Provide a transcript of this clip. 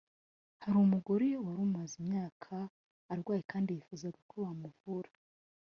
Hari umugore wari umaze imyaka arwaye kandi yifuzaga ko bamuvura